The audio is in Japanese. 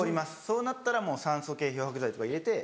そうなったらもう酸素系漂白剤とか入れて。